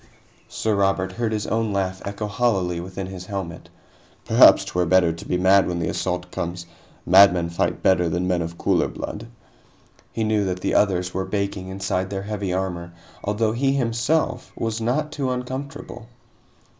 Sir Robert heard his own laugh echo hollowly within his helmet. "Perhaps 'twere better to be mad when the assault comes. Madmen fight better than men of cooler blood." He knew that the others were baking inside their heavy armor, although he himself was not too uncomfortable.